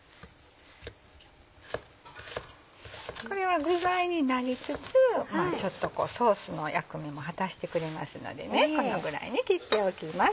これは具材になりつつちょっとソースの役目も果たしてくれますのでこのぐらいに切っておきます。